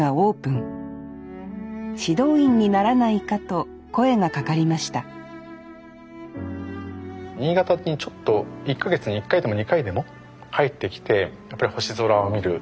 指導員にならないかと声がかかりました新潟にちょっと１か月に１回でも２回でも帰ってきてやっぱり星空を見る。